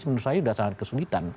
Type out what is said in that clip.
menurut saya sudah sangat kesulitan